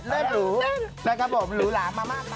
เลขหรูนะครับผมหรูหลามมามากนะ